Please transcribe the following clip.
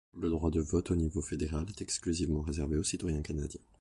Le droit de vote au niveau fédéral est exclusivement réservé aux citoyens canadiens.